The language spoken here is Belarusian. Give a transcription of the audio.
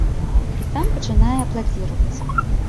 І сам пачынае апладзіраваць.